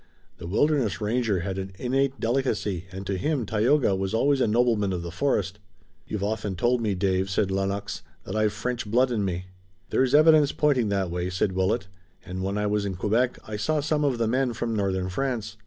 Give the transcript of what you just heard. The wilderness ranger had an innate delicacy and to him Tayoga was always a nobleman of the forest. "You've often told me, Dave," said Lennox, "that I've French blood in me." "There's evidence pointing that way," said Willet, "and when I was in Quebec I saw some of the men from Northern France.